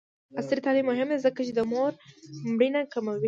عصري تعلیم مهم دی ځکه چې د مور مړینه کموي.